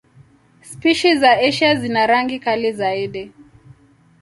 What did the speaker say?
Spishi za Asia zina rangi kali zaidi.